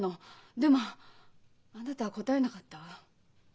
でもあなたは答えなかったわ。